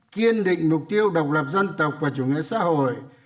kiên định mục tiêu độc lập dân tộc và chủ nghĩa xã hội